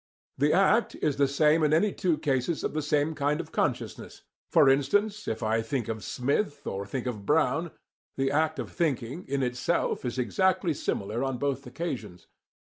The act is the same in any two cases of the same kind of consciousness; for instance, if I think of Smith or think of Brown, the act of thinking, in itself, is exactly similar on both occasions.